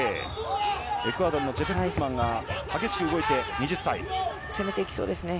エクアドルのジェペス・グスマンが激しく動いて、２０歳。